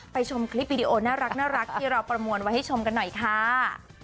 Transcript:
ชมคลิปวิดีโอน่ารักที่เราประมวลไว้ให้ชมกันหน่อยค่ะ